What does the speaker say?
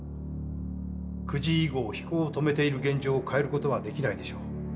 ９時以後飛行を止めている現状を変えることはできないでしょう。